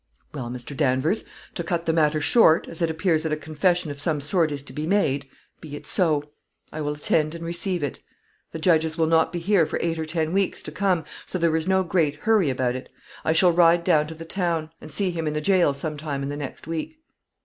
"Well, Mr. Danvers, to cut the matter short, as it appears that a confession of some sort is to be made, be it so. I will attend and receive it. The judges will not be here for eight or ten weeks to come, so there is no great hurry about it. I shall ride down to the town, and see him in the jail some time in the next week."